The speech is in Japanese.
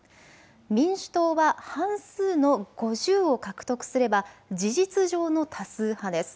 民主党は半数の５０を獲得すれば事実上の多数派です。